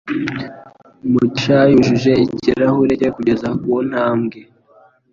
Mugisha yujuje ikirahure cye kugeza kuntambwe